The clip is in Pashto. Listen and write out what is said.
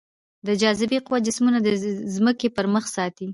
د جاذبې قوه جسمونه د ځمکې پر مخ ساتي.